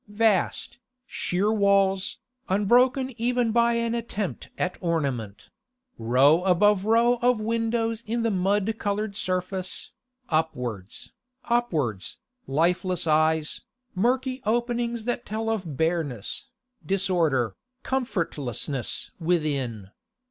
Vast, sheer walls, unbroken by even an attempt at ornament; row above row of windows in the mud coloured surface, upwards, upwards, lifeless eyes, murky openings that tell of bareness, disorder, comfortlessness within.